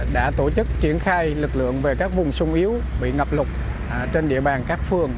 đã tổ chức triển khai lực lượng về các vùng sung yếu bị ngập lụt trên địa bàn các phường